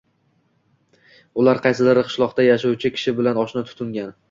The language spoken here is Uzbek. Ular qaysidir qishloqda yashovchi kishi bilan oshno tutingan